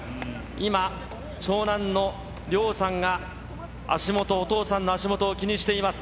今、長男の凌央さんが足元、お父さんの足元を気にしています。